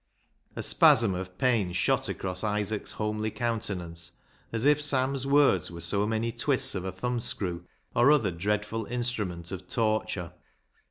A spasm of pain shot across Isaac's homely countenance, as if Sam's words were so many twists of a thumbscrew or other dreadful instrument of torture.